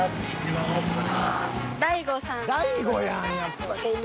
［大悟やん